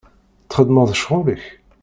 Txedmeḍ ccɣel-ik?